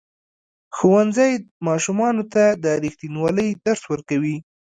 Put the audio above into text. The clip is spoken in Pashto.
ښوونځی ماشومانو ته د ریښتینولۍ درس ورکوي.